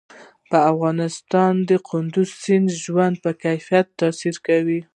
په افغانستان کې کندز سیند د ژوند په کیفیت تاثیر کوي.